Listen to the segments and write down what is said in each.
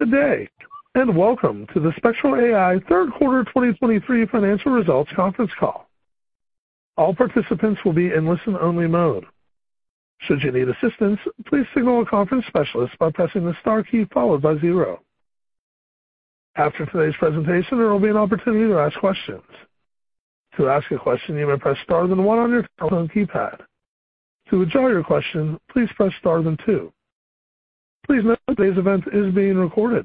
Good day, and welcome to the Spectral AI third quarter 2023 financial results conference call. All participants will be in listen-only mode. Should you need assistance, please signal a conference specialist by pressing the star key followed by zero. After today's presentation, there will be an opportunity to ask questions. To ask a question, you may press star then one on your telephone keypad. To withdraw your question, please press star then two. Please note that today's event is being recorded.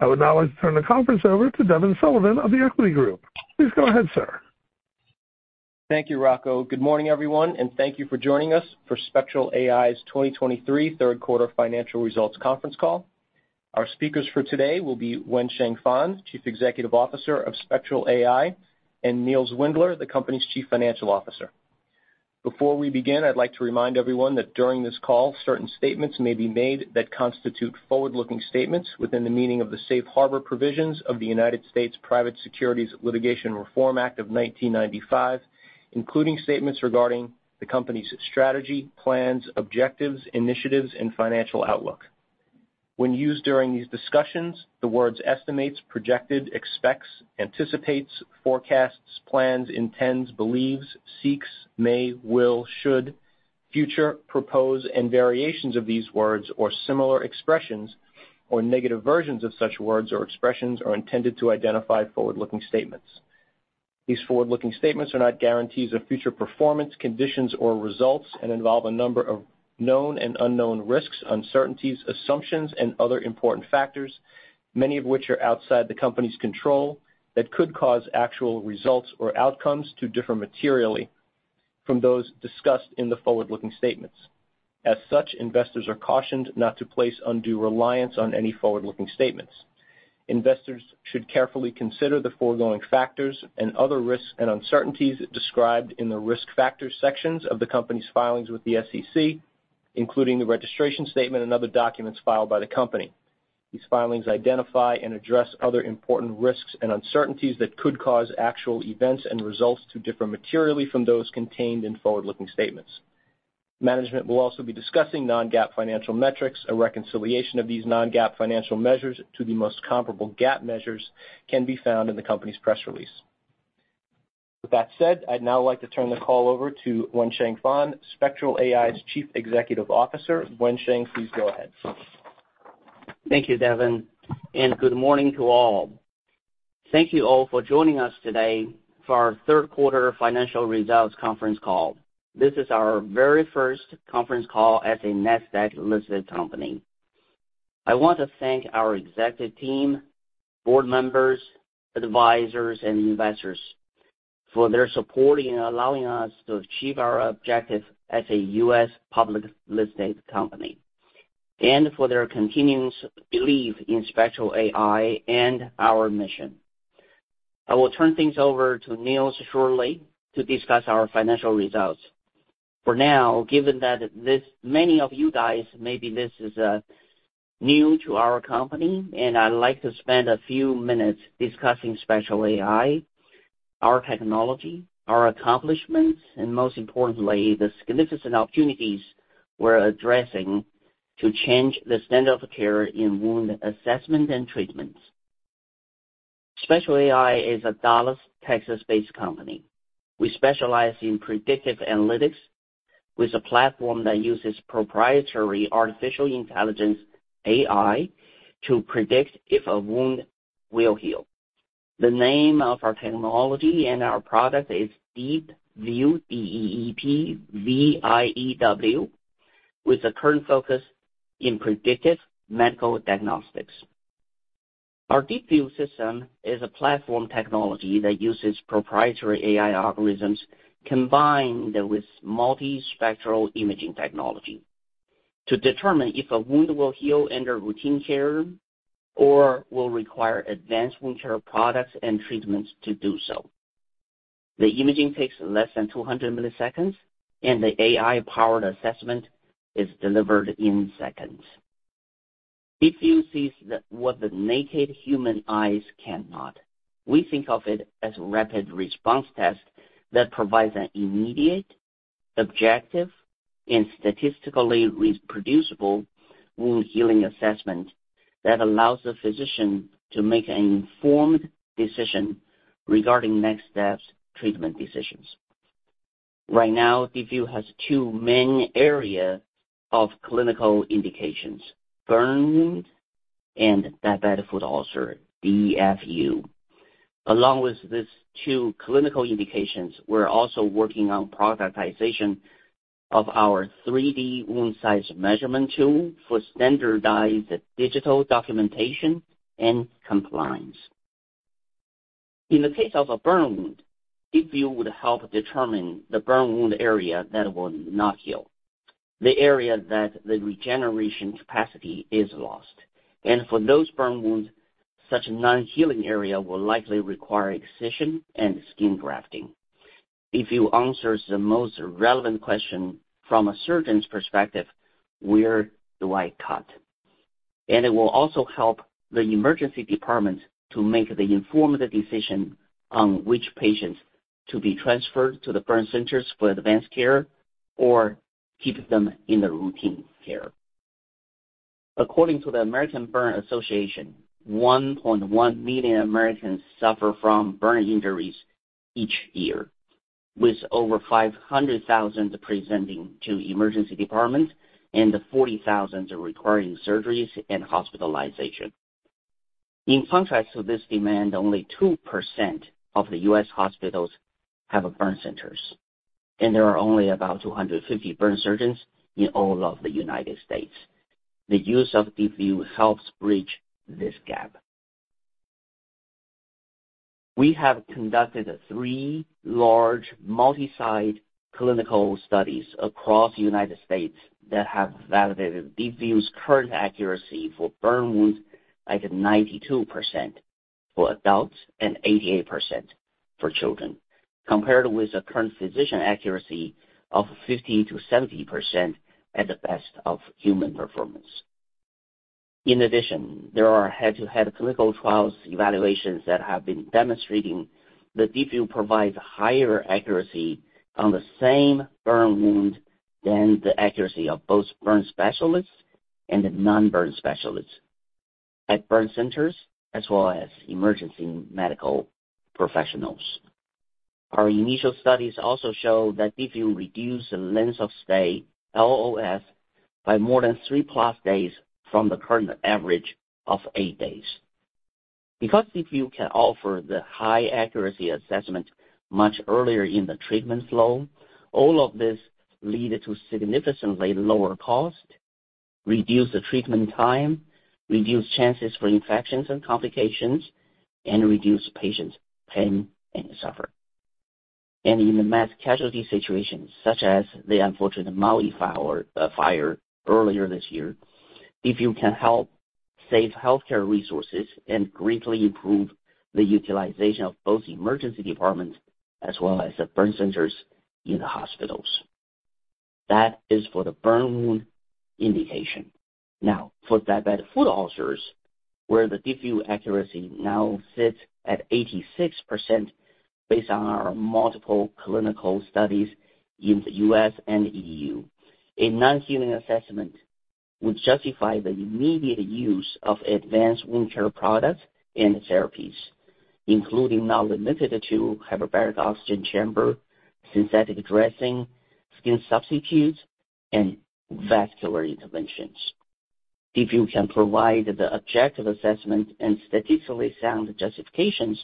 I would now like to turn the conference over to Devin Sullivan of The Equity Group. Please go ahead, sir. Thank you, Rocco. Good morning, everyone, and thank you for joining us for Spectral AI's 2023 third quarter financial results conference call. Our speakers for today will be Wensheng Fan, Chief Executive Officer of Spectral AI, and Nils Windler, the company's Chief Financial Officer. Before we begin, I'd like to remind everyone that during this call, certain statements may be made that constitute forward-looking statements within the meaning of the Safe Harbor Provisions of the United States Private Securities Litigation Reform Act of 1995, including statements regarding the company's strategy, plans, objectives, initiatives, and financial outlook. When used during these discussions, the words estimates, projected, expects, anticipates, forecasts, plans, intends, believes, seeks, may, will, should, future, propose, and variations of these words or similar expressions or negative versions of such words or expressions are intended to identify forward-looking statements. These forward-looking statements are not guarantees of future performance, conditions, or results and involve a number of known and unknown risks, uncertainties, assumptions, and other important factors, many of which are outside the company's control, that could cause actual results or outcomes to differ materially from those discussed in the forward-looking statements. As such, investors are cautioned not to place undue reliance on any forward-looking statements. Investors should carefully consider the foregoing factors and other risks and uncertainties described in the Risk Factors sections of the company's filings with the SEC, including the registration statement and other documents filed by the company. These filings identify and address other important risks and uncertainties that could cause actual events and results to differ materially from those contained in forward-looking statements. Management will also be discussing non-GAAP financial metrics. A reconciliation of these non-GAAP financial measures to the most comparable GAAP measures can be found in the company's press release. With that said, I'd now like to turn the call over to Wensheng Fan, Spectral AI's Chief Executive Officer. Wensheng, please go ahead. Thank you, Devin, and good morning to all. Thank you all for joining us today for our third quarter financial results conference call. This is our very first conference call as a Nasdaq-listed company. I want to thank our executive team, board members, advisors, and investors for their support in allowing us to achieve our objective as a U.S. public listed company, and for their continuous belief in Spectral AI and our mission. I will turn things over to Nils shortly to discuss our financial results. For now, given that this many of you guys, maybe this is new to our company, and I'd like to spend a few minutes discussing Spectral AI, our technology, our accomplishments, and most importantly, the significant opportunities we're addressing to change the standard of care in wound assessment and treatments. Spectral AI is a Dallas, Texas-based company. We specialize in predictive analytics with a platform that uses proprietary artificial intelligence, AI, to predict if a wound will heal. The name of our technology and our product is DeepView, D-E-E-P-V-I-E-W, with a current focus in predictive medical diagnostics. Our DeepView system is a platform technology that uses proprietary AI algorithms combined with multispectral imaging technology to determine if a wound will heal under routine care or will require advanced wound care products and treatments to do so. The imaging takes less than 200 milliseconds, and the AI-powered assessment is delivered in seconds. DeepView sees what the naked human eyes cannot. We think of it as a rapid response test that provides an immediate, objective, and statistically reproducible wound healing assessment that allows the physician to make an informed decision regarding next steps treatment decisions. Right now, DeepView has two main areas of clinical indications: burn wound and diabetic foot ulcer, DFU. Along with these two clinical indications, we're also working on productization of our 3D wound size measurement tool for standardized digital documentation and compliance. In the case of a burn wound, DeepView would help determine the burn wound area that will not heal, the area that the regeneration capacity is lost. For those burn wounds, such non-healing area will likely require excision and skin grafting. DeepView answers the most relevant question from a surgeon's perspective: Where do I cut? It will also help the emergency department to make the informative decision on which patients to be transferred to the burn centers for advanced care or keep them in the routine care. According to the American Burn Association, 1.1 million Americans suffer from burn injuries each year, with over 500,000 presenting to emergency departments and 40,000 requiring surgeries and hospitalization. In contrast to this demand, only 2% of the U.S. hospitals have burn centers, and there are only about 250 burn surgeons in all of the United States. The use of DeepView helps bridge this gap. We have conducted three large, multi-site clinical studies across the United States that have validated DeepView's current accuracy for burn wounds at 92% for adults and 88% for children, compared with the current physician accuracy of 50%-70% at the best of human performance. In addition, there are head-to-head clinical trials evaluations that have been demonstrating that DeepView provides higher accuracy on the same burn wound than the accuracy of both burn specialists and the non-burn specialists at burn centers, as well as emergency medical professionals. Our initial studies also show that DeepView reduce the length of stay, LOS, by more than 3+ days from the current average of 8 days. Because DeepView can offer the high accuracy assessment much earlier in the treatment flow, all of this lead to significantly lower cost, reduce the treatment time, reduce chances for infections and complications, and reduce patients' pain and suffer. In the mass casualty situations, such as the unfortunate Maui fire earlier this year, if you can help save healthcare resources and greatly improve the utilization of both emergency departments as well as the burn centers in the hospitals. That is for the burn wound indication. Now, for diabetic foot ulcers, where the DeepView accuracy now sits at 86% based on our multiple clinical studies in the U.S. and E.U. A non-healing assessment would justify the immediate use of advanced wound care products and therapies, including not limited to hyperbaric oxygen chamber, synthetic dressing, skin substitutes, and vascular interventions. DeepView can provide the objective assessment and statistically sound justifications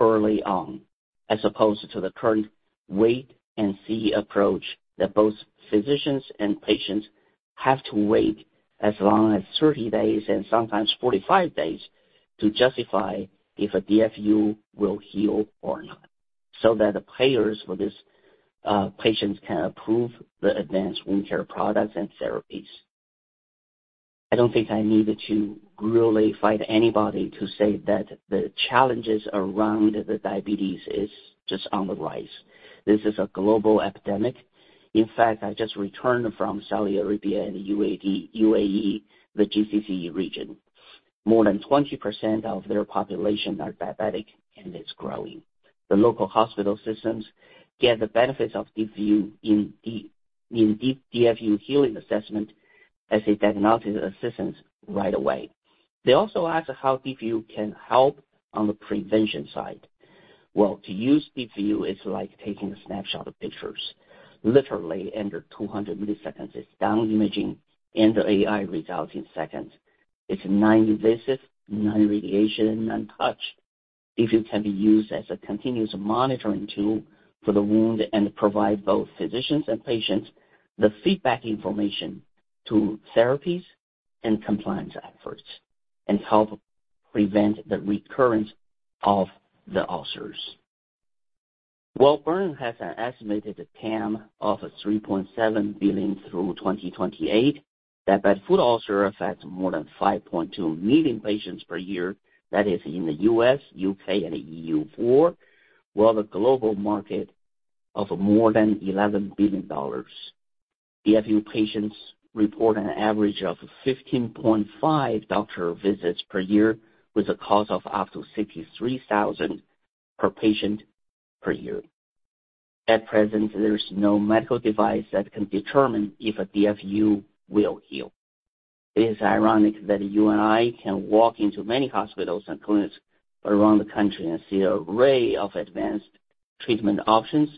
early on, as opposed to the current wait and see approach that both physicians and patients have to wait as long as 30 days and sometimes 45 days to justify if a DFU will heal or not, so that the payers for this, patients can approve the advanced wound care products and therapies. I don't think I needed to really fight anybody to say that the challenges around the diabetes is just on the rise. This is a global epidemic. In fact, I just returned from Saudi Arabia and UAE, UAE, the GCC region. More than 20% of their population are diabetic, and it's growing. The local hospital systems get the benefits of DeepView in DFU healing assessment as a diagnostic assistance right away. They also ask how DeepView can help on the prevention side. Well, to use DeepView is like taking snapshot of pictures. Literally, under 200 milliseconds, it's done imaging and the AI results in seconds. It's non-invasive, non-radiation, non-touch. DeepView can be used as a continuous monitoring tool for the wound and provide both physicians and patients the feedback information to therapies and compliance efforts, and help prevent the recurrence of the ulcers. While burn has an estimated TAM of $3.7 billion through 2028, diabetic foot ulcer affects more than 5.2 million patients per year, that is in the U.S., U.K., and EU4, while the global market of more than $11 billion. DFU patients report an average of 15.5 doctor visits per year, with a cost of up to $63,000 per patient per year. At present, there is no medical device that can determine if a DFU will heal. It is ironic that you and I can walk into many hospitals and clinics around the country and see an array of advanced treatment options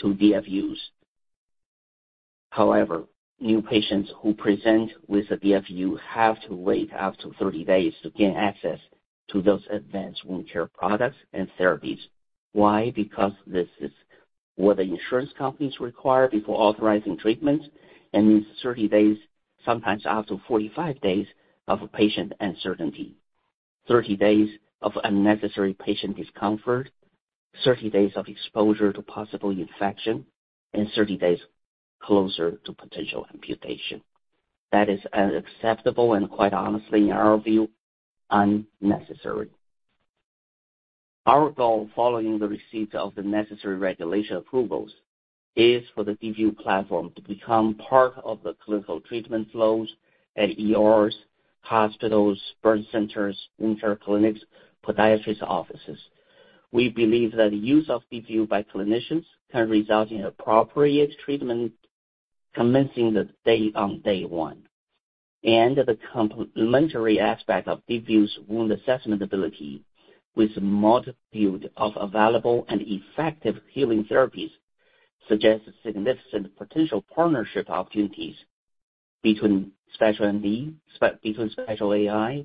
to DFUs. However, new patients who present with a DFU have to wait up to 30 days to gain access to those advanced wound care products and therapies. Why? Because this is what the insurance companies require before authorizing treatments, and it's 30 days, sometimes up to 45 days, of patient uncertainty. 30 days of unnecessary patient discomfort, 30 days of exposure to possible infection, and 30 days closer to potential amputation. That is unacceptable, and quite honestly, in our view, unnecessary. Our goal, following the receipt of the necessary regulatory approvals, is for the DeepView platform to become part of the clinical treatment flows at ERs, hospitals, burn centers, wound clinics, podiatrist offices. We believe that the use of DeepView by clinicians can result in appropriate treatment, commencing the day on day one, and the complementary aspect of DeepView's wound assessment ability with multitude of available and effective healing therapies suggests significant potential partnership opportunities between Spectral AI and me, between Spectral AI,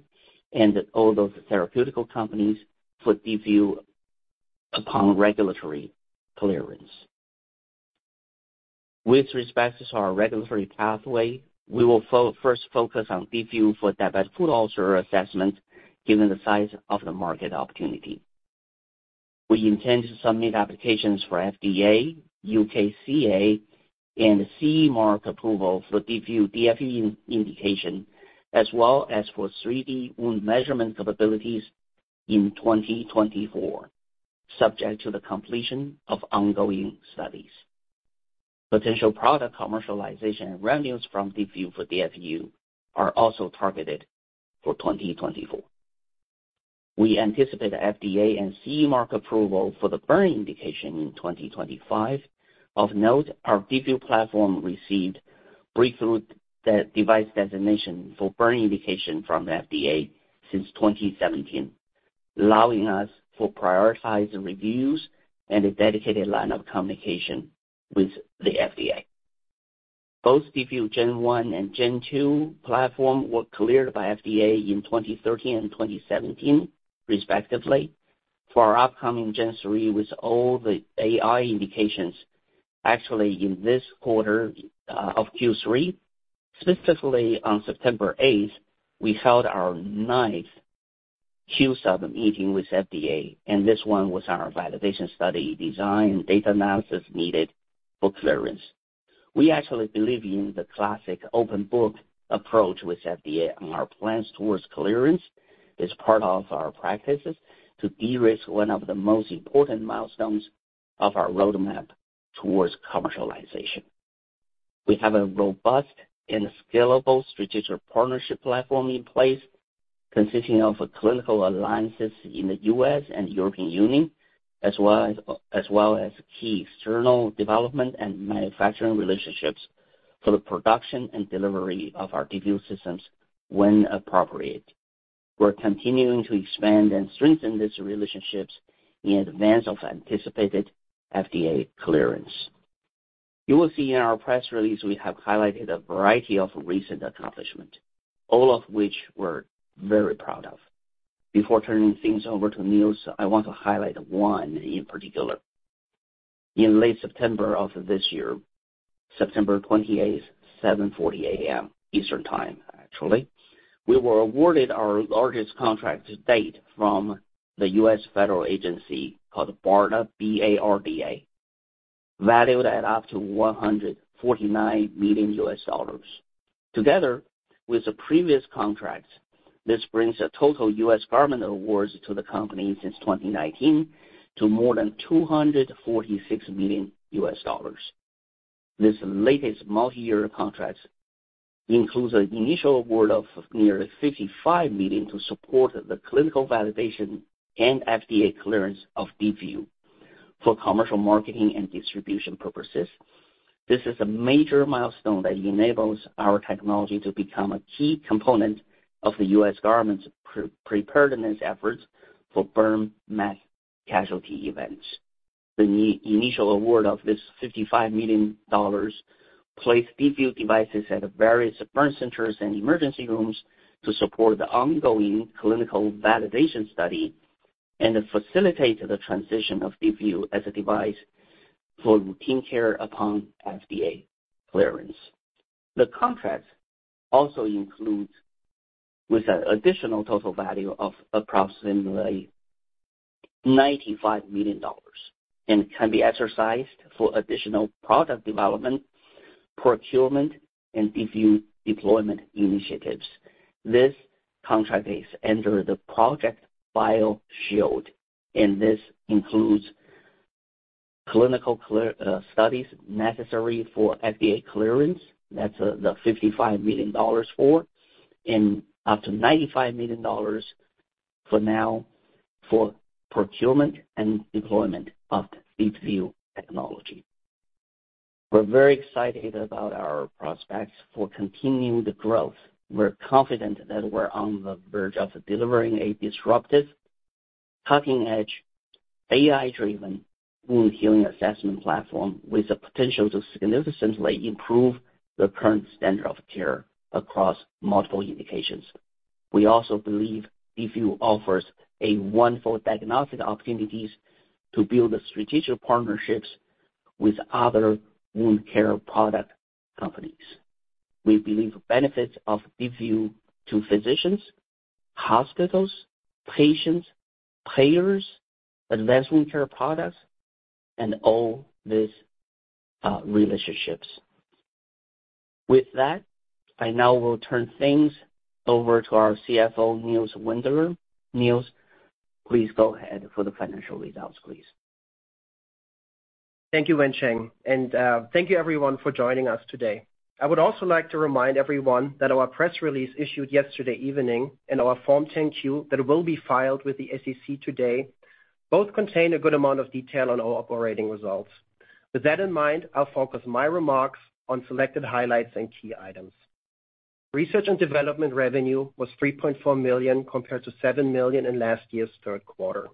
and all those therapeutic companies for DeepView upon regulatory clearance. With respect to our regulatory pathway, we will first focus on DeepView for diabetic foot ulcer assessment, given the size of the market opportunity. We intend to submit applications for FDA, UKCA, and CE mark approval for DeepView DFU indication, as well as for 3D wound measurement capabilities in 2024, subject to the completion of ongoing studies. Potential product commercialization and revenues from DeepView for DFU are also targeted for 2024. We anticipate FDA and CE mark approval for the burn indication in 2025. Of note, our DeepView platform received breakthrough device designation for burn indication from FDA since 2017, allowing us for prioritized reviews and a dedicated line of communication with the FDA. Both DeepView Gen 1 and Gen 2 platform were cleared by FDA in 2013 and 2017 respectively. For our upcoming Gen 3, with all the AI indications, actually, in this quarter of Q3, specifically on September 8, we held our ninth Q-Sub meeting with FDA, and this one was our validation study design and data analysis needed for clearance. We actually believe in the classic open book approach with FDA, and our plans towards clearance is part of our practices to de-risk one of the most important milestones of our roadmap towards commercialization. We have a robust and scalable strategic partnership platform in place, consisting of clinical alliances in the U.S. and European Union, as well as key external development and manufacturing relationships for the production and delivery of our DeepView systems when appropriate. We're continuing to expand and strengthen these relationships in advance of anticipated FDA clearance. You will see in our press release, we have highlighted a variety of recent accomplishments, all of which we're very proud of. Before turning things over to Nils, I want to highlight one in particular. In late September of this year, September 28th, 7:40 A.M. Eastern Time, actually, we were awarded our largest contract to date from the US federal agency called BARDA, B-A-R-D-A, valued at up to $149 million. Together with the previous contracts, this brings the total US government awards to the company since 2019 to more than $246 million. This latest multi-year contract includes an initial award of near $55 million to support the clinical validation and FDA clearance of DeepView for commercial marketing and distribution purposes. This is a major milestone that enables our technology to become a key component of the U.S. government's preparedness efforts for burn mass casualty events. The initial award of this $55 million placed DeepView devices at various burn centers and emergency rooms to support the ongoing clinical validation study and to facilitate the transition of DeepView as a device for routine care upon FDA clearance. The contract also includes, with an additional total value of approximately $95 million and can be exercised for additional product development, procurement, and DeepView deployment initiatives. This contract is under the Project BioShield, and this includes clinical clearance studies necessary for FDA clearance. That's the $55 million for, and up to $95 million for now for procurement and deployment of DeepView technology. We're very excited about our prospects for continuing the growth. We're confident that we're on the verge of delivering a disruptive, cutting-edge, AI-driven, wound healing assessment platform with the potential to significantly improve the current standard of care across multiple indications. We also believe DeepView offers a wonderful diagnostic opportunities to build strategic partnerships with other wound care product companies. We believe benefits of DeepView to physicians, hospitals, patients, payers, advanced wound care products, and all these relationships. With that, I now will turn things over to our CFO, Nils Windler. Nils, please go ahead for the financial results, please. Thank you, Wensheng, and thank you everyone for joining us today. I would also like to remind everyone that our press release issued yesterday evening and our Form 10-Q that will be filed with the SEC today, both contain a good amount of detail on our operating results. With that in mind, I'll focus my remarks on selected highlights and key items. Research and development revenue was $3.4 million, compared to $7 million in last year's third quarter.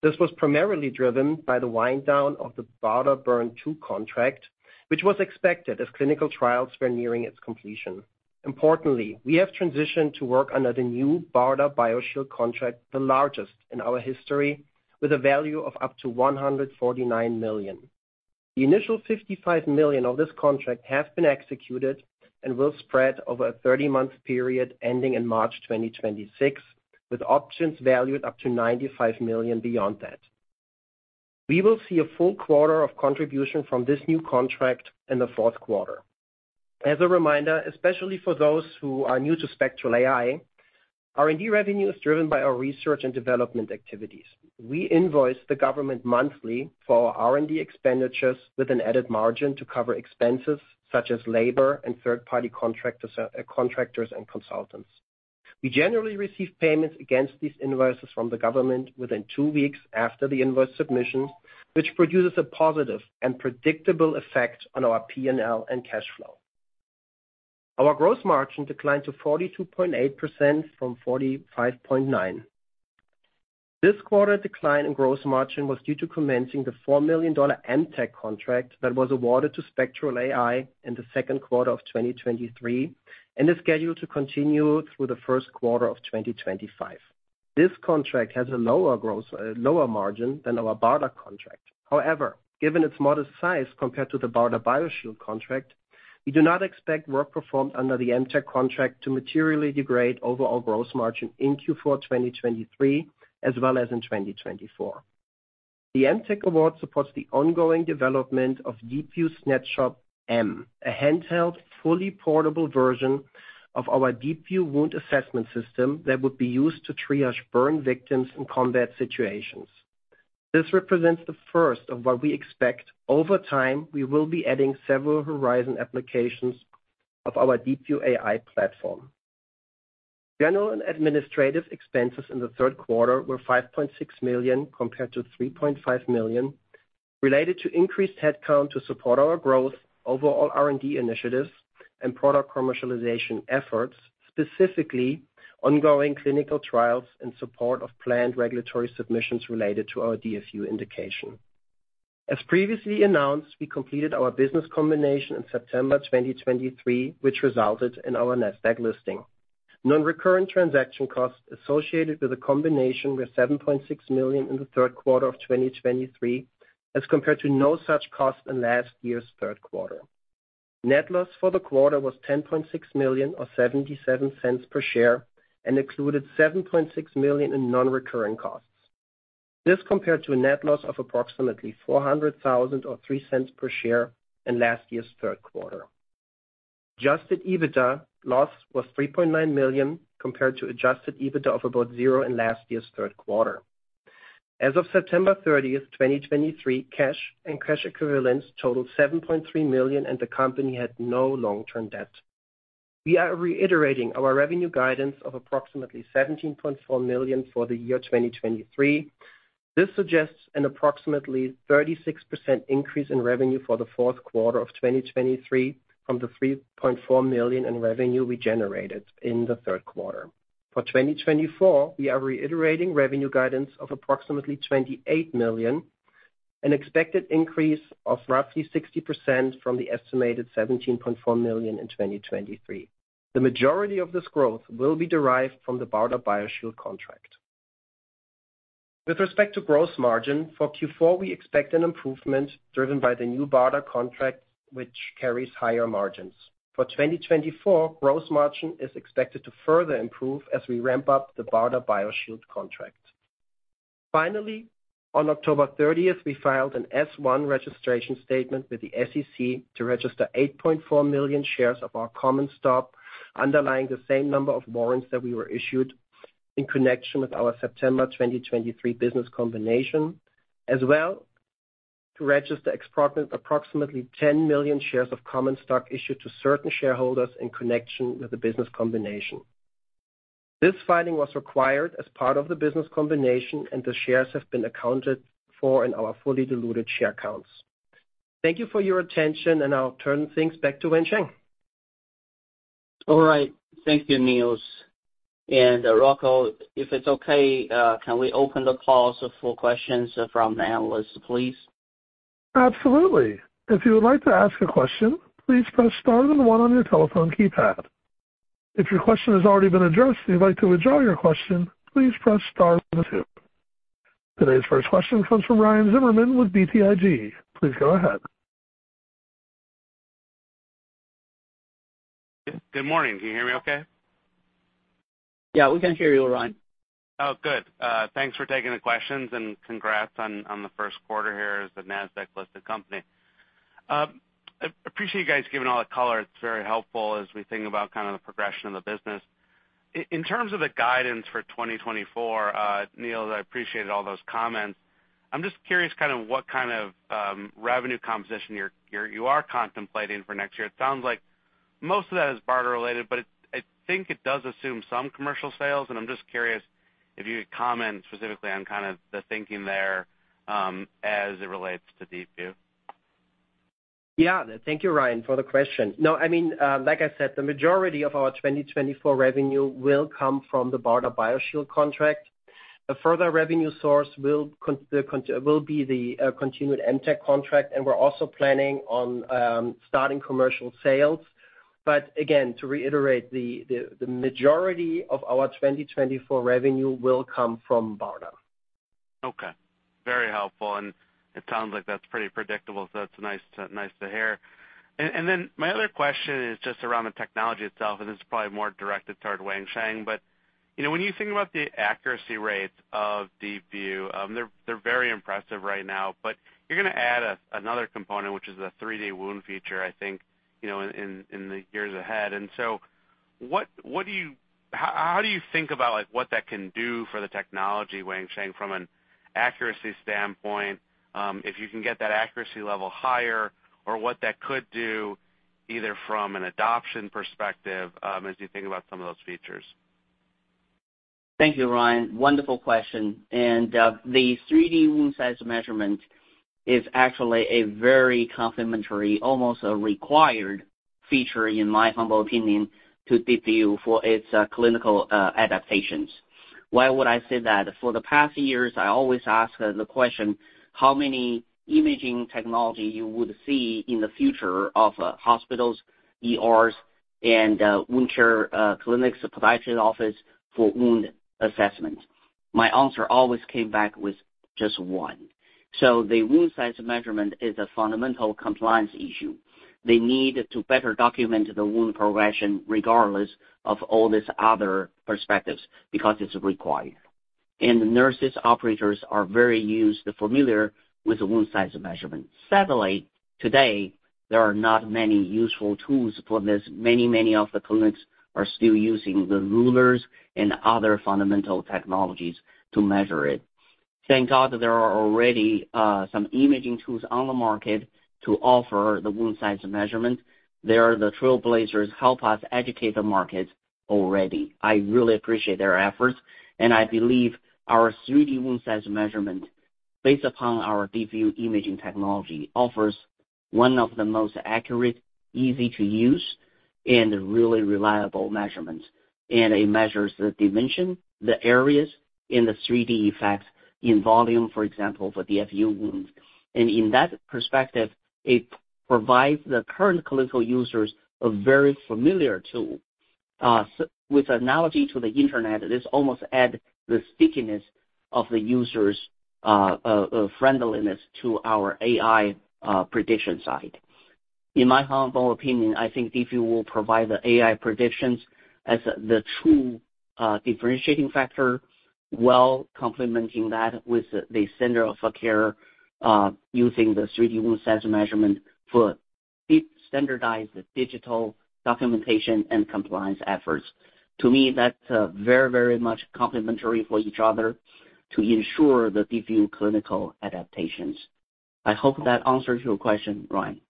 This was primarily driven by the wind down of the BARDA Burn II contract, which was expected as clinical trials were nearing its completion. Importantly, we have transitioned to work under the new BARDA BioShield contract, the largest in our history, with a value of up to $149 million. The initial $55 million of this contract has been executed and will spread over a 30-month period, ending in March 2026, with options valued up to $95 million beyond that. We will see a full quarter of contribution from this new contract in the fourth quarter. As a reminder, especially for those who are new to Spectral AI, R&D revenue is driven by our research and development activities. We invoice the government monthly for our R&D expenditures, with an added margin to cover expenses such as labor and third-party contractors and consultants. We generally receive payments against these invoices from the government within two weeks after the invoice submission, which produces a positive and predictable effect on our PNL and cash flow. Our gross margin declined to 42.8% from 45.9%. This quarter decline in gross margin was due to commencing the $4 million MTEC contract that was awarded to Spectral AI in the second quarter of 2023, and is scheduled to continue through the first quarter of 2025. This contract has a lower gross, lower margin than our BARDA contract. However, given its modest size compared to the BARDA BioShield contract, we do not expect work performed under the MTEC contract to materially degrade overall gross margin in Q4 2023, as well as in 2024. The MTEC award supports the ongoing development of DeepView Snapshot M, a handheld, fully portable version of our DeepView wound assessment system that would be used to triage burn victims in combat situations. This represents the first of what we expect over time, we will be adding several horizon applications of our DeepView AI platform. General and administrative expenses in the third quarter were $5.6 million, compared to $3.5 million, related to increased headcount to support our growth, overall R&D initiatives, and product commercialization efforts, specifically ongoing clinical trials in support of planned regulatory submissions related to our DFU indication. As previously announced, we completed our business combination in September 2023, which resulted in our Nasdaq listing. Non-recurring transaction costs associated with the combination were $7.6 million in the third quarter of 2023, as compared to no such cost in last year's third quarter. Net loss for the quarter was $10.6 million, or $0.77 per share, and included $7.6 million in non-recurring costs. This compared to a net loss of approximately $400,000 or $0.03 per share in last year's third quarter. Adjusted EBITDA loss was $3.9 million, compared to adjusted EBITDA of about $0 in last year's third quarter. As of September 30, 2023, cash and cash equivalents totaled $7.3 million, and the company had no long-term debt. We are reiterating our revenue guidance of approximately $17.4 million for the year 2023. This suggests an approximately 36% increase in revenue for the fourth quarter of 2023 from the $3.4 million in revenue we generated in the third quarter. For 2024, we are reiterating revenue guidance of approximately $28 million, an expected increase of roughly 60% from the estimated $17.4 million in 2023. The majority of this growth will be derived from the BARDA BioShield contract. With respect to gross margin, for Q4, we expect an improvement driven by the new BARDA contract, which carries higher margins. For 2024, gross margin is expected to further improve as we ramp up the BARDA BioShield contract. Finally, on October 30th, we filed an S-1 registration statement with the SEC to register 8.4 million shares of our common stock, underlying the same number of warrants that we were issued in connection with our September 2023 business combination. As well, to register approximately 10 million shares of common stock issued to certain shareholders in connection with the business combination. This filing was required as part of the business combination, and the shares have been accounted for in our fully diluted share counts. Thank you for your attention, and I'll turn things back to Wensheng. All right, thank you, Nils. And, Rocco, if it's okay, can we open the calls for questions from the analysts, please? Absolutely. If you would like to ask a question, please press star then one on your telephone keypad. If your question has already been addressed, and you'd like to withdraw your question, please press star then two. Today's first question comes from Ryan Zimmerman with BTIG. Please go ahead. Good morning. Can you hear me okay? Yeah, we can hear you, Ryan. Oh, good. Thanks for taking the questions, and congrats on the first quarter here as a Nasdaq-listed company. I appreciate you guys giving all the color. It's very helpful as we think about kind of the progression of the business. In terms of the guidance for 2024, Nils, I appreciated all those comments. I'm just curious kind of what kind of revenue composition you're contemplating for next year. It sounds like most of that is BARDA related, but I think it does assume some commercial sales, and I'm just curious if you could comment specifically on kind of the thinking there, as it relates to DeepView. Yeah. Thank you, Ryan, for the question. No, I mean, like I said, the majority of our 2024 revenue will come from the BARDA BioShield contract. A further revenue source will be the continued MTEC contract, and we're also planning on starting commercial sales. But again, to reiterate, the majority of our 2024 revenue will come from BARDA. Okay, very helpful, and it sounds like that's pretty predictable, so that's nice to hear. Then my other question is just around the technology itself, and this is probably more directed toward Wensheng. But, you know, when you think about the accuracy rates of DeepView, they're very impressive right now. But you're gonna add another component, which is the 3D wound feature, I think, you know, in the years ahead. And so what do you. How do you think about, like, what that can do for the technology, Wensheng, from an accuracy standpoint, if you can get that accuracy level higher, or what that could do, either from an adoption perspective, as you think about some of those features? Thank you, Ryan. Wonderful question. The 3D wound size measurement is actually a very complementary, almost a required feature, in my humble opinion, to DeepView for its clinical adaptations. Why would I say that? For the past years, I always ask the question, "How many imaging technology you would see in the future of hospitals, ERs, and wound care clinics, supplies office for wound assessment?" My answer always came back with just one. The wound size measurement is a fundamental compliance issue. They need to better document the wound progression regardless of all these other perspectives, because it's required. The nurses, operators are very used, familiar with the wound size measurement. Sadly, today, there are not many useful tools for this. Many, many of the clinics are still using the rulers and other fundamental technologies to measure it. Thank God there are already some imaging tools on the market to offer the wound size measurement. They are the trailblazers, help us educate the markets already. I really appreciate their efforts, and I believe our 3D wound size measurement, based upon our DeepView imaging technology, offers one of the most accurate, easy to use, and really reliable measurements. And it measures the dimension, the areas in the 3D effect, in volume, for example, for the DFU wounds. And in that perspective, it provides the current clinical users a very familiar tool. With analogy to the internet, this almost add the stickiness of the users' friendliness to our AI prediction side. In my humble opinion, I think DeepView will provide the AI predictions as the true, differentiating factor, while complementing that with the center of care, using the 3D wound size measurement for standardized digital documentation and compliance efforts. To me, that's very, very much complementary for each other to ensure the DeepView clinical adaptations. I hope that answers your question, Ryan.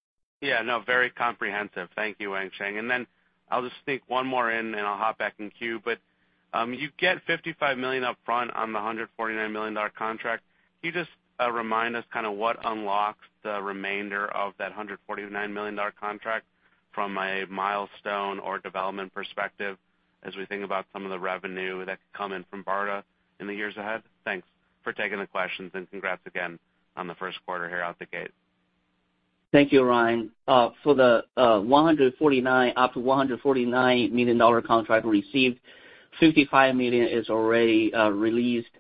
Yeah, no, very comprehensive. Thank you, Wensheng Fan. And then I'll just sneak one more in, and I'll hop back in queue. But, you get $55 million upfront on the $149 million contract. Can you just remind us kind of what unlocks the remainder of that $149 million contract from a milestone or development perspective as we think about some of the revenue that could come in from BARDA in the years ahead? Thanks for taking the questions, and congrats again on the first quarter here out the gate. Thank you, Ryan. For the up to $149 million contract received, $55 million is already released,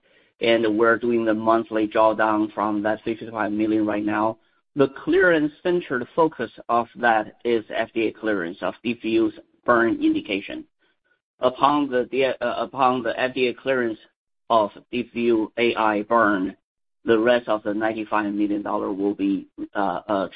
and we're doing the monthly drawdown from that $65 million right now. The clearance centered focus of that is FDA clearance of DeepView's burn indication. Upon the FDA clearance of DeepView AI burn, the rest of the $95 million will be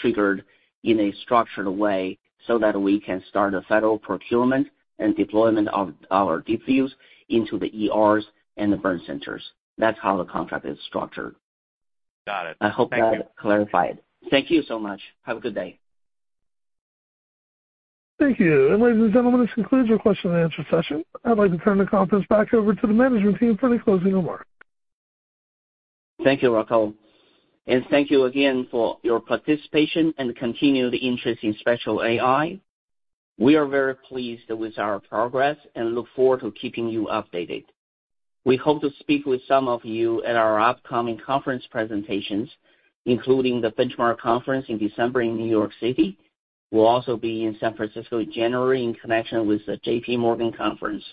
triggered in a structured way so that we can start a federal procurement and deployment of our DeepViews into the ERs and the burn centers. That's how the contract is structured. Got it. I hope that clarified. Thank you so much. Have a good day. Thank you. Ladies and gentlemen, this concludes our question and answer session. I'd like to turn the conference back over to the management team for any closing remarks. Thank you, Rocco, and thank you again for your participation and continued interest in Spectral AI. We are very pleased with our progress and look forward to keeping you updated. We hope to speak with some of you at our upcoming conference presentations, including the Benchmark Conference in December in New York City. We'll also be in San Francisco in January in connection with the JP Morgan conference.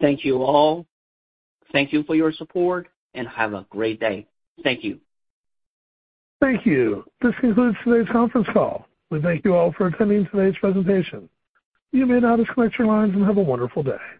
Thank you all. Thank you for your support, and have a great day. Thank you. Thank you. This concludes today's conference call. We thank you all for attending today's presentation. You may now disconnect your lines and have a wonderful day.